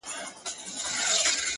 د خپل ښايسته خيال پر رنگينه پاڼه ـ